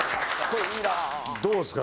どうですか？